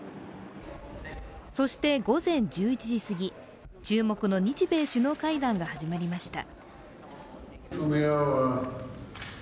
そして午前１１時すぎ、注目の日米首脳会談が始まりました。